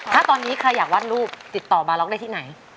ถ้าตอนนี้ใครอยากวาดรูปติดต่อบาล็อกได้ที่ไหน